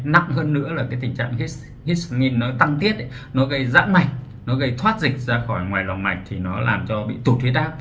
nặng hơn nữa là cái tình trạng histamine nó tăng tiết nó gây dãn mạch nó gây thoát dịch ra khỏi ngoài lòng mạch thì nó làm cho bị tụt huyết áp